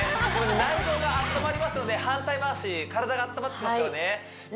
内臓が温まりますので反対回し体が温まってきますよね